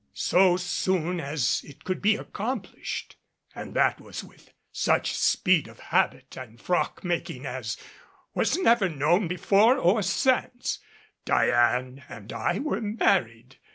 So soon as it could be accomplished, and that was with such speed of habit and frock making as was never known before or since, Diane and I were married.